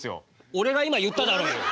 俺が今言っただろうよ！